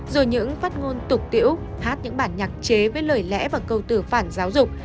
rồi những phát ngôn tục tiễu hát những bản nhạc chế với lời lẽ và câu từ phản giáo dục